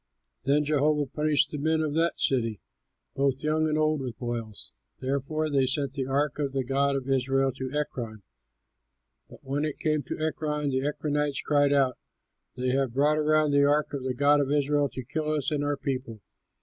Then Jehovah punished the men of that city, both young and old, with boils. Therefore they sent the ark of the God of Israel to Ekron; but when it came to Ekron, the Ekronites cried out, "They have brought around the ark of the god of Israel to kill us and our people!"